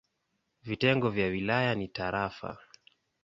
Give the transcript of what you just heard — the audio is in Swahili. Vitengo vya wilaya ni tarafa.